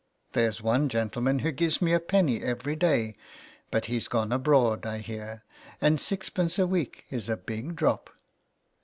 There's one gentleman who gives me a penny every day, but he's gone abroad, I hear, and sixpence a week is a big drop."